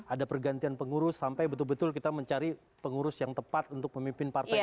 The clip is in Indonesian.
ada pergantian pengurus sampai betul betul kita mencari pengurus yang tepat untuk memimpin partai